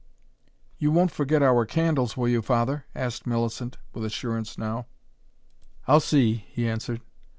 "You won't forget our candles, will you, Father?" asked Millicent, with assurance now. "I'll see," he answered.